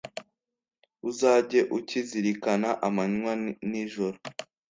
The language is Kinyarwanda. uzajye ukizirikana amanywa n'ijoro